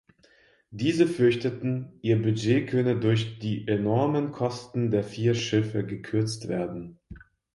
Diese fürchteten, ihr Budget könne durch die enormen Kosten der vier Schiffe gekürzt werden.